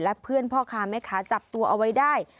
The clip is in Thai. และเพื่อนพ่อค้าแม่ค้าจับตัวเอาไว้ได้